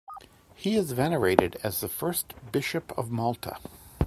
He is venerated as the first Bishop of Malta.